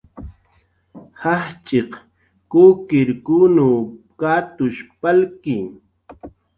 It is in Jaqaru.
Jajch'iq kukiqkunw katush palki.